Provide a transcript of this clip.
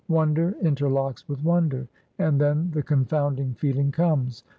Wonder interlocks with wonder; and then the confounding feeling comes.